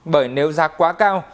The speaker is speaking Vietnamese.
bởi nếu giá quá cao